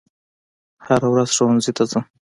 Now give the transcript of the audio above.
هره ورځ ښوونځي ته ځم